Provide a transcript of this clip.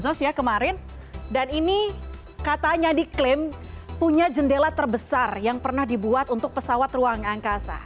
kasus ya kemarin dan ini katanya diklaim punya jendela terbesar yang pernah dibuat untuk pesawat ruang angkasa